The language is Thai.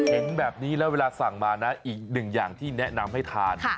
เห็นแบบนี้แล้วเวลาสั่งมานะอีกหนึ่งอย่างที่แนะนำให้ทาน